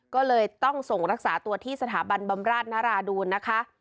ก็เลยต้องส่งรักษาตัวที่สถาบันบำราชนราดูนนะคะ